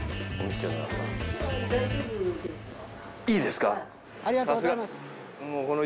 いいですか？